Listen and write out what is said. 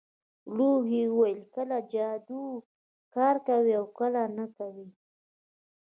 لوحې ویل کله جادو کار کوي او کله نه کوي